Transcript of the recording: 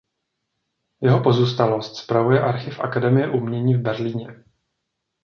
Jeho pozůstalost spravuje Archiv Akademie umění v Berlíně.